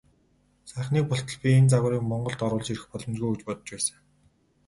Саяхныг болтол би энэ загварыг Монголд оруулж ирэх боломжгүй гэж бодож байсан.